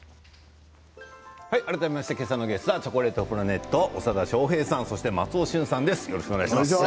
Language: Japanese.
改めましてゲストはチョコレートプラネットの長田庄平さんと松尾駿さんです。